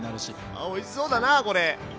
あおいしそうだなこれ！